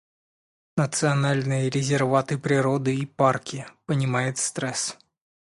национальные резерваты природы и парки, понимает стресс.